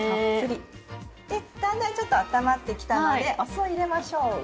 だんだんちょっとあったまってきたのでお酢を入れましょう。